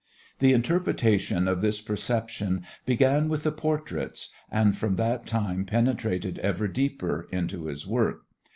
The interpretation of this perception began with the portraits, and from that time penetrated ever deeper into his work.